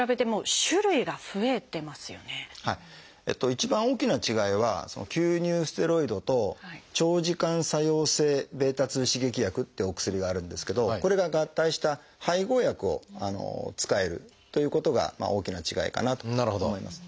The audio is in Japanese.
一番大きな違いは吸入ステロイドと長時間作用性β刺激薬っていうお薬があるんですけどこれが合体した配合薬を使えるということが大きな違いかなと思います。